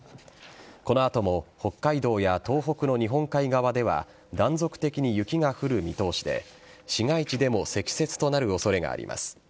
この後も北海道や東北の日本海側では断続的に雪が降る見通しで市街地でも積雪となる恐れがあります。